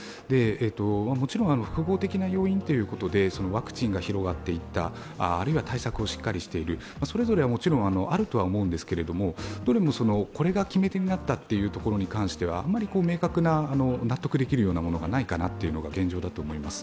もちろん複合的な要因ということで、ワクチンが広がっていった、あるいは対策をしっかりしているそれぞれはもちろんあるとは思うんですけど、どれも、これが決め手になったということに関してはあまり明確な納得できるようなものが、ないのが現状だと思います。